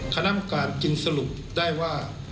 คณะประการกินสรุปได้ว่า